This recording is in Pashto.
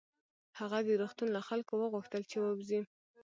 هغه د روغتون له خلکو وغوښتل چې ووځي